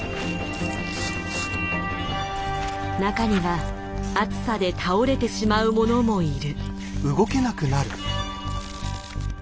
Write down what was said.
中には暑さで倒れてしまうものもいる。